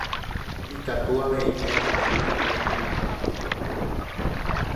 Ikatu avei ñañe'ẽ ñane mohendahápe